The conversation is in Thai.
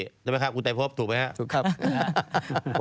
ทำไมคะอุตไทยภพถูกไหมครับถูกครับ